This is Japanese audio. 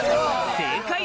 正解！